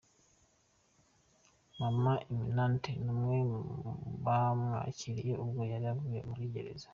Maman Eminante n'umwe mu bamwakiriye ubwo yari avuye muri gereza.